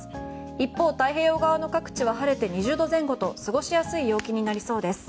一方、太平洋側の各地は晴れて２０度前後と過ごしやすい陽気になりそうです。